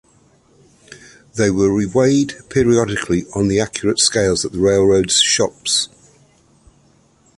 They were reweighed periodically on accurate scales at the railroad's shops.